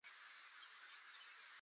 شاه جان د علامه حبو اخند زاده کودی کېږي.